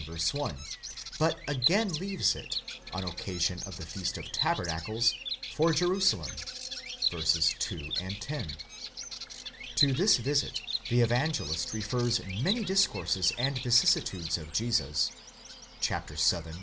1), but again leaves it, on occasion of the feast of tabernacles, for Jerusalem (v. 2, το). To this visit the Evangelist refers many discourses and vicissitudes of Jesus (vii.